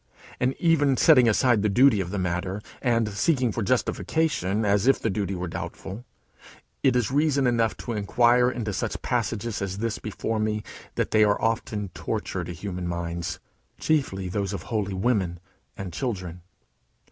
And even setting aside the duty of the matter, and seeking for justification as if the duty were doubtful, it is reason enough for inquiring into such passages as this before me, that they are often torture to human minds, chiefly those of holy women and children.